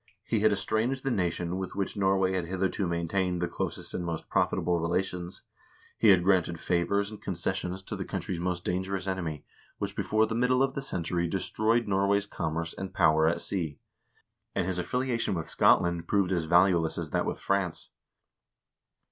He had estranged the nation with which Norway had hitherto maintained the closest and most profitable relations; he had granted favors and concessions to the country's most dangerous enemy, which before the middle of the century destroyed Norway's commerce and power at sea ; and his affiliation with Scotland proved as valueless as that with France.